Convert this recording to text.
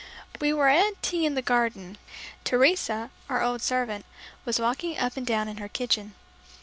We were at tea in the garden. Teresa, our old servant, was walking up and down in her kitchen.